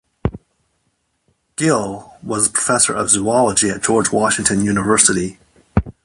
Gill was professor of zoology at George Washington University.